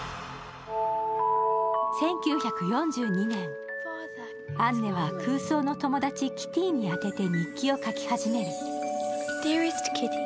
１９４２年、アンネは空想の友達・キティーに宛てて日記を書き始める。